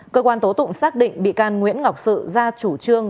cơ quan tố tụng xác định bị can nguyễn ngọc sự ra chủ trương